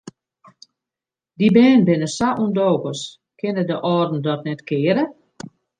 Dy bern binne sa ûndogens, kinne de âlden dat net keare?